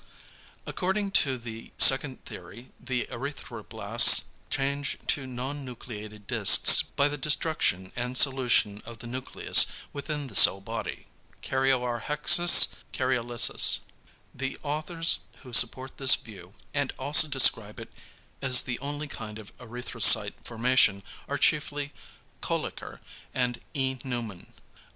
According to the second theory the erythroblasts change to non nucleated discs by the destruction and solution of the nucleus within the cell body. ("Karyorrhexis," "Karyolysis.") The authors who support this view and also describe it as the only kind of erythrocyte formation are chiefly Kölliker and E. Neumann.